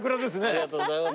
ありがとうございます。